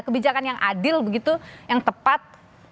kebijakan yang adil begitu yang tepat